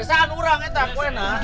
sesangkan orang entah apa enak